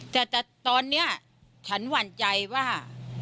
แต่ตอนนี้ฉันหวั่นใจว่า